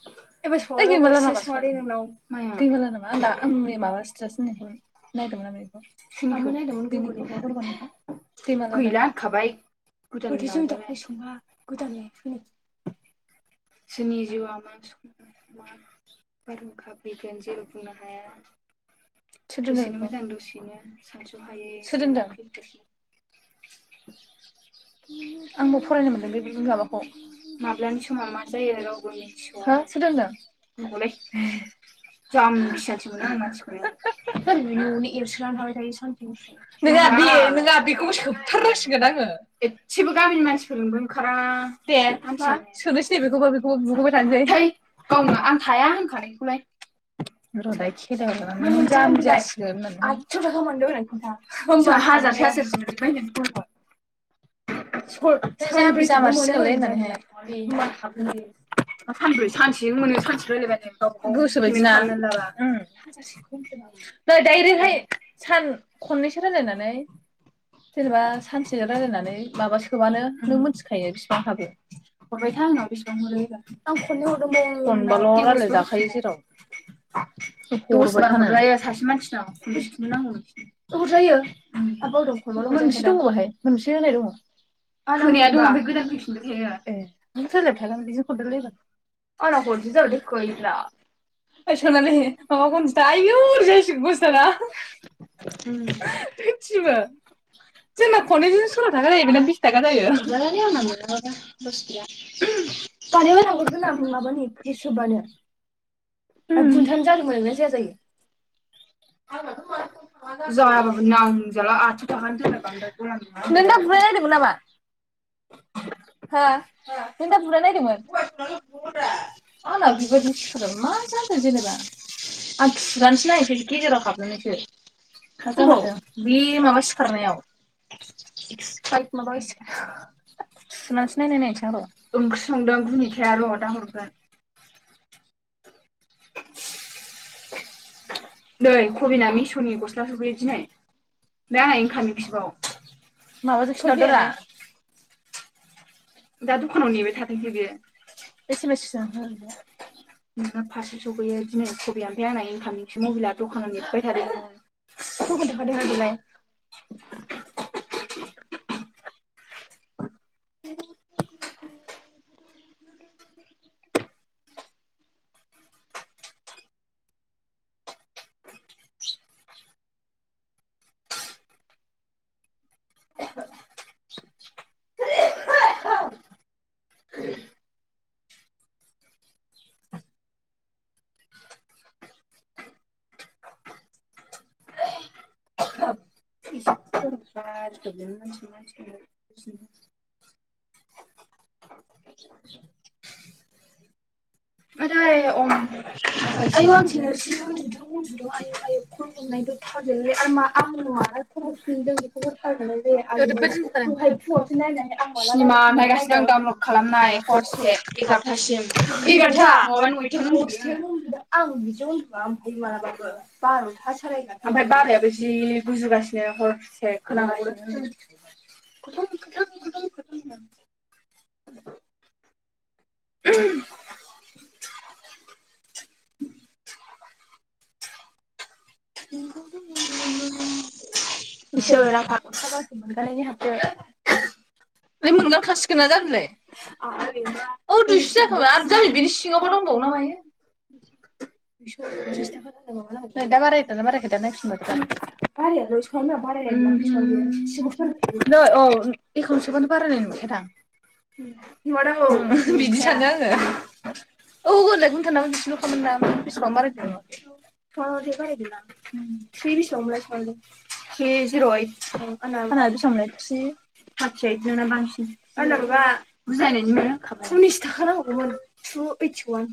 [unintelligible] जोंनि जिउआव [unintelligible] मा बारहुंखा फैगोन जेबो बुंनो हाया दसेनो मोजां दसेनो सानसहायै खैफोदनो आंबो फरायनो मोनदों बे माबाखौ माब्लानि समाव मा जायो रावबो मिथिसवा [unintelligible] [unintelligible] नवावनो नो एरसनानै थाबाय थायो सानसे हरसे नोङा बे नोङा बेखौ सोबथारनांसिगोन आङो एसेबो गामिनि मानसिफोरजोंबो ओंखारा दे बेखौबा बेखौबो बुहोबाय थानिसै थै आं थाया होनखानायखौलाय र' दायो थिखोना हरगोन आं नों जामबि जासिगोन [unintelligible] [unintelligible] [unintelligible] [unintelligible] [unintelligible] [unintelligible] [unintelligible] [unintelligible] [unintelligible] [unintelligible] हो [unintelligible] [unintelligible] ओंख्रि संदों गुनिथाया र' दा हरगोन । [unintelligible] [unintelligible] [unintelligible] [unintelligible] [unintelligible] बि [unintelligible] [unintelligible] [unintelligible] खोनाबाय [inaudible] [inaudible] [unintelligible] [unintelligible] इसोर आफा गसा मोनगायनाय हाबदो मोनगारखासिगोन ना जामलाय आ इ औ दुइस जाखाबाय आरो बिनि सिङावबो दंबाव ना मायो? [unintelligible] नै दा बारायानो बारायाखै दा नायफिनब [unintelligible] बारायनोबाराय नै औ एकाउन्ट सखौ बारायनाय नङदां [inaudible] औ बिदि सानो आङो? औ [unintelligible] [unintelligible] [unintelligible] आंना बेसां मोलाय? ट्रि थारथि ऐट नोंना बांसिन [unintelligible] सलिस थाखा नांबावगौ मोन टु ऐथि उवान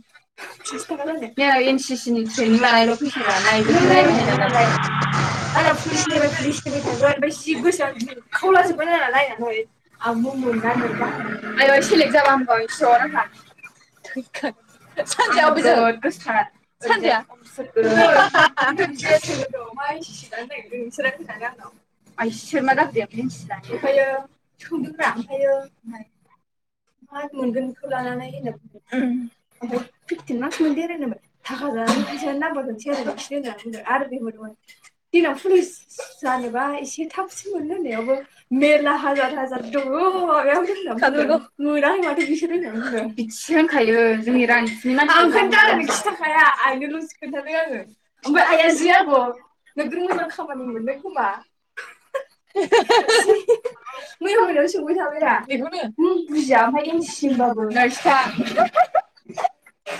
एन सि सि नि ट्रेनिं लानायल फैसा लानाय बे न नायबाय आंना [unintelligible] पुलिसनिल पुलिसनि थागोन ओमफाय जि गोसोआ [unintelligible] खावलाजोबगबाय नालायनानैाय आं मुं मोना मोना आयाय सेलेक्ट जाब हबाय इसर आंहा थैखा सान्जाया ओबेजो [inaudible] मा एन सि सि लानो नागिरदों नोंसोरो? [unintelligible] मा मोनगोन बेखौ लानानै होनो एहम ओफै फिफटिन मार्स मोनगन थाखा जानानै फैसानो नांबार दसै आरोस होनना आरमबो दमोन दिनाव पुलिस जानोबा एसे थाबस मोन होननायावबो मेरला हाजार हाजार दङ [inaudible] मोनाखै माथो बिसोर [unintelligible] खिथाखायाया आइनोलसो खोन्थादों आङो ओमफ्राय आइया जि आगौ नोगोर मोजां खामानि मोनदों खोमा [unintelligible] जि मैया मनो सोंबाय थाबायर बेखौनो दा इन्सिसिमबाबो नारस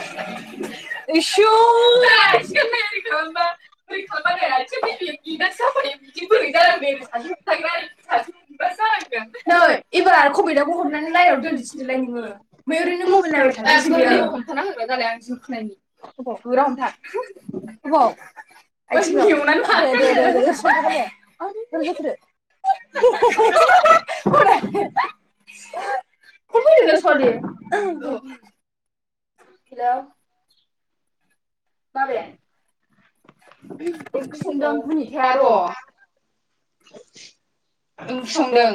[unintelligible] [inaudible] [unintelligible] [unintelligible] [unintelligible] नै एबार कभिडआवबो हमनानै लाइनाव दोननिसैदालाय नोङो [unintelligible] गोरा हमथाब अबाव [unintelligible] [unintelligible] [inaudible] [unintelligible] हेलौ माबे? [inaudible] ओंख्रि संदां बिनिथाया र ओंख्रि संदों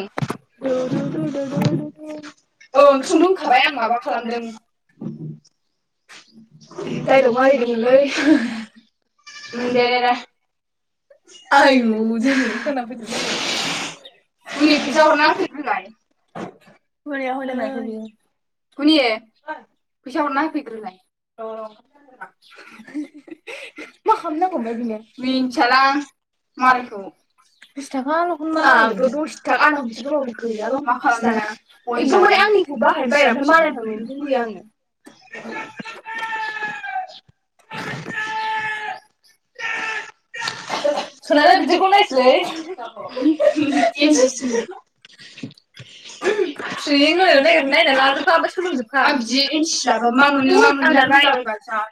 औ ओं संदों थाबाय आं माबा खालामदों दायलग मारिदोंमोनलै ओम दे दे आयु [unintelligible] [unintelligible] खनि फैसा हरना होफैग्रोलाय अ मा खालामनांगौ ओमफाय बिनो [unintelligible] [unintelligible] [unintelligible]